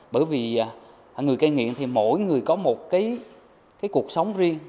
bởi vì người cai nghiện thì mỗi người có một cái cuộc sống riêng